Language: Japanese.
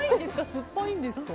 酸っぱいですか？